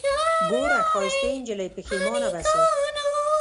ګوره ښايستې نجلۍ پښېمانه به سې